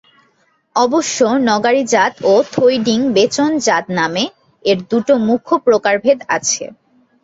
অবশ্য নগারি-জাত ও থইডিং-বেচন-জাত নামে এর দুটো মুখ্য প্রকারভেদ রয়েছে।